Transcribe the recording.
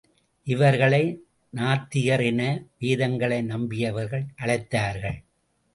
இவர்களை நாத்திகர் என வேதங்களை நம்பியவர்கள் அழைத்தார்கள்.